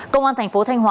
công an tp thq